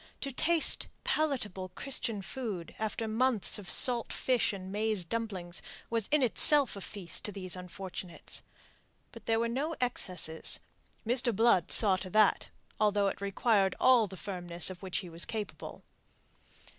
To taste palatable Christian food after months of salt fish and maize dumplings was in itself a feast to these unfortunates. But there were no excesses. Mr. Blood saw to that, although it required all the firmness of which he was capable.